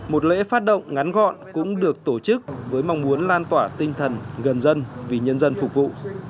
một lễ phát động ngắn gọn cũng được tổ chức với mong muốn lan tỏa tinh thần gần dân vì nhân dân phục vụ